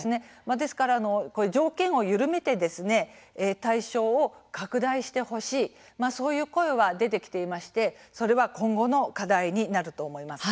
ですから条件を緩めて対象を拡大してほしいそういう声は出てきていましてそれは今後の課題になると思います。